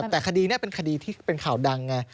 แต่คดีนี้เป็นคดีที่เป็นข่าวดังไง